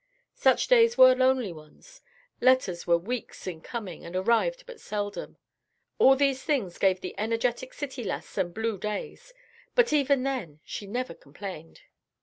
Such days were lonely ones. Letters were weeks in coming and arrived but seldom. All these things gave the energetic city lass some blue days, but even then she never complained.